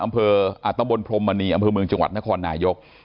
ตำบลพรมมณีอำเภอเมืองจังหวัดนครนายก